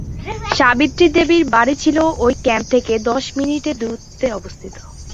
সাবিত্রী দেবীর বাড়ি ছিল ঐ ক্যাম্প থেকে দশ মিনিটের দূরত্বে অবস্থিত।